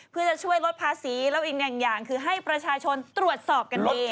เพื่อจะช่วยลดภาษีแล้วอีกหนึ่งอย่างคือให้ประชาชนตรวจสอบกันดี